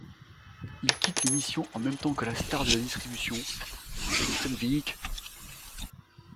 Il quitte l'émission en même temps que la star de la distribution, Kristen Wiig.